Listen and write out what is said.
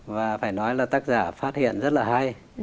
và phải nói là tác giả phát hiện rất là hay